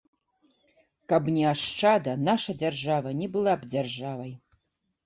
Каб не ашчада, наша дзяржава не была б дзяржавай.